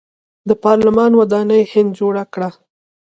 د پارلمان ودانۍ هند جوړه کړه.